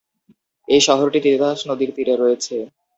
এই শহরটি তিতাস নদীর তীরে রয়েছে।